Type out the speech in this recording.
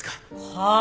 はあ？